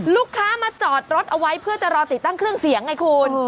ลูกค้ามาจอดรถเอาไว้เพื่อจะรอติดตั้งเครื่องเสียงไงคุณ